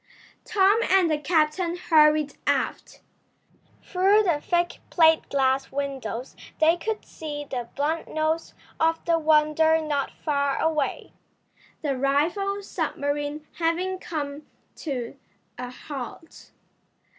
Tom and the captain hurried aft. Through the thick plate glass windows they could see the blunt nose of the Wonder not far away, the rival submarine having come to a halt.